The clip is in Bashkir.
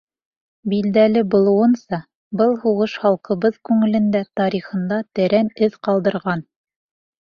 Билдәле булыуынса, был һуғыш халҡыбыҙ күңелендә, тарихында тәрән эҙ ҡалдырған.